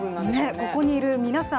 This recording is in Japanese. ここにいる皆さん